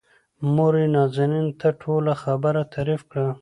موريې نازنين ته ټوله خبره تعريف کړه.